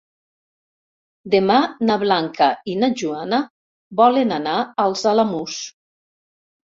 Demà na Blanca i na Joana volen anar als Alamús.